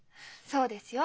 そうですよ。